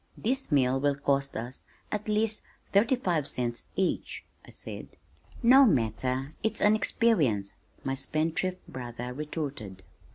"This meal will cost us at least thirty five cents each!" I said. "No matter, it's an experience," my spendthrift brother retorted.